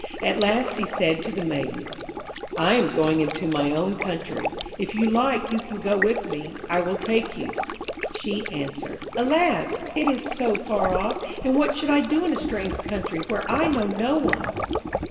At last he said to the Maiden, 'I am going into my own country. If you like you can go with me; I will take you.' She answered: 'Alas! it is so far off, and what should I do in a strange country where I know no one?'